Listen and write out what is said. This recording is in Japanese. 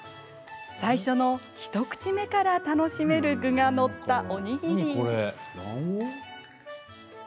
最初の一口目から楽しめる具が載ったおにぎり。